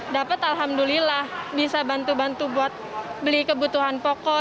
dapat alhamdulillah bisa bantu bantu buat beli kebutuhan pokok